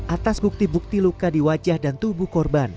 atas bukti bukti luka di wajah dan tubuh korban